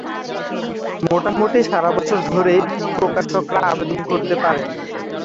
মোটামুটি সারাবছর ধরেই প্রকাশকরা আবেদন করতে পারেন।